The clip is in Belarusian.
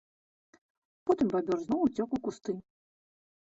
Потым бабёр зноў уцёк у кусты.